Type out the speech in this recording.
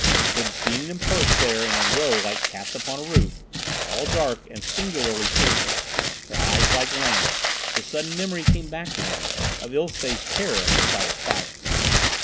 Then, seeing them perched there in a row like cats upon a roof, all dark and singularly shapeless, their eyes like lamps, the sudden memory came back to him of Ilsé's terror at the sight of fire.